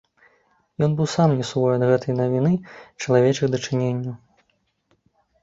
Ён быў сам не свой ад гэтай навіны чалавечых дачыненняў.